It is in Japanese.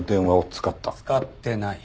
使ってない。